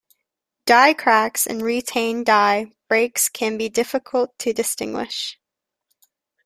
Die cracks and retained die breaks can be difficult to distinguish.